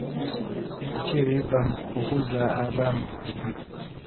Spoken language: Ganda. Biki ebiva mu kukuza abaana obubi?